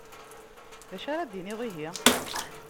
D acu ara d-tiniḍ ihi?